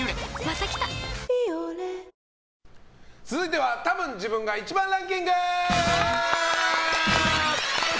「ビオレ」続いてはたぶん自分が１番ランキング！